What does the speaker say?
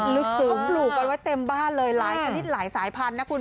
มันก็ปลูกไว้เต็มท์บ้านเลยลายสนิทหลายสายพันธุ์นะคุณ